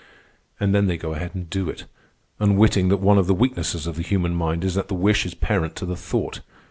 And then they go ahead and do it, unwitting that one of the weaknesses of the human mind is that the wish is parent to the thought.